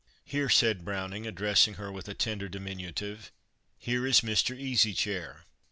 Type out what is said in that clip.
"Here," said Browning, addressing her with a tender diminutive "here is Mr. Easy Chair."